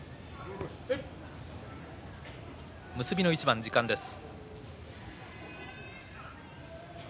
結びの一番が時間です。